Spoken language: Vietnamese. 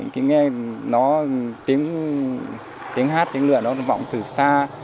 khi nghe nó tiếng hát tiếng lửa nó vọng từ xa